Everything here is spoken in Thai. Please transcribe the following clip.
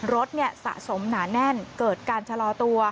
สะสมหนาแน่นเกิดการชะลอตัว